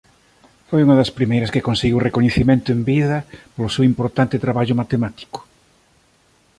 Foi unha das primeiras que conseguiu recoñecemento en vida polo seu importante traballo matemático.